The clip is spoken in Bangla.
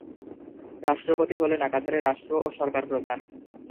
রাষ্ট্রপতি হলেন একাধারে রাষ্ট্র ও সরকার প্রধান।